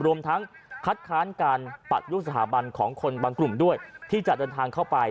รวมทั้งคัดค้านการปะรูปสถาบันของคนบางกลุ่มด้วยที่จะเดินทางเข้าไป